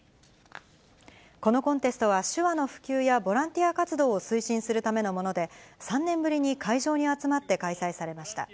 このコンテストは、手話の普及やボランティア活動を推進するためのもので、３年ぶりに会場に集まって開催されました。